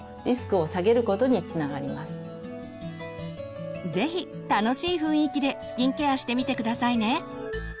ぜひ楽しい雰囲気でスキンケアしてみてくださいね。